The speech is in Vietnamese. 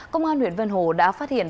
công an huyện vân hồ đã phát hiện